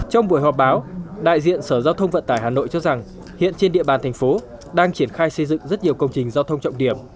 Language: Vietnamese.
trong buổi họp báo đại diện sở giao thông vận tải hà nội cho rằng hiện trên địa bàn thành phố đang triển khai xây dựng rất nhiều công trình giao thông trọng điểm